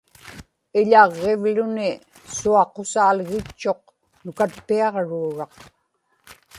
iḷaġġivḷuni suaqusaalgitchuq nukatpiaġruuraq